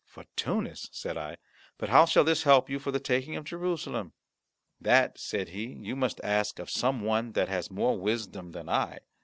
"For Tunis?" said I; "but how shall this help you for the taking of Jerusalem?" "That," said he, "you must ask of some one that has more wisdom than I.